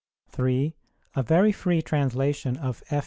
(3) A very free translation of F.